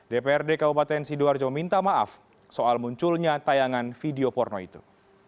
dprd kabupaten sidoarjo minta maaf soal munculnya tayangan video porno itu